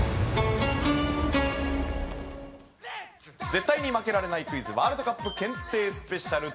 絶対に負けられないクイズワールドカップ検定スペシャル。